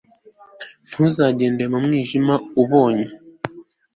ntuzagenda mu mwijima, ubonye